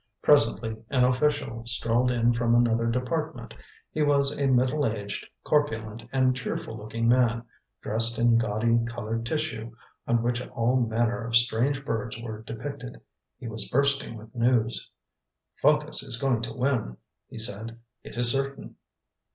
Presently an official strolled in from another department. He was a middle aged, corpulent, and cheerful looking man, dressed in gaudy coloured tissue, on which all manner of strange birds were depicted. He was bursting with news. "Phocas is going to win," he said. "It is certain."